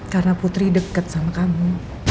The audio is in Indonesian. karena putri deket sama kamu